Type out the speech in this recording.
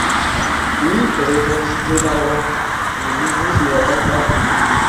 Oui, répondit Glenarvan, les loups-rouges de la Pampa.